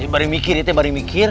baru mikir itu baru mikir